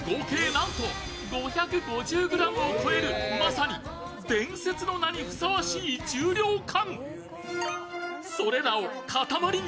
なんと５５０ｇを超えるまさに伝説の名にふさわしい重量感。